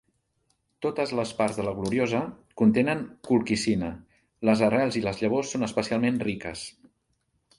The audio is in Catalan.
Totes les parts de la "Gloriosa" contenen colquicina, les arrels i les llavors són especialment riques.